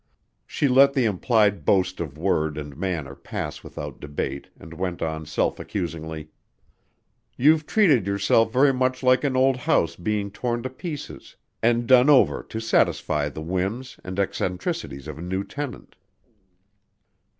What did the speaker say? She let the implied boast of word and manner pass without debate and went on self accusingly: "You've treated yourself very much like an old house being torn to pieces and done over to satisfy the whims and eccentricities of a new tenant."